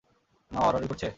মা বাড়াবাড়ি করছে?